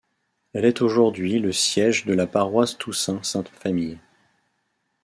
Elle est aujourd'hui le siège de la paroisse Toussaints Sainte-Famille.